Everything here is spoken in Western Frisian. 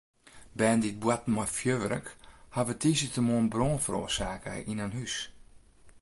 Bern dy't boarten mei fjurwurk hawwe tiisdeitemoarn brân feroarsake yn in hús.